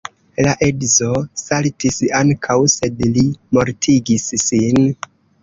La edzo saltis ankaŭ, sed li mortigis sin.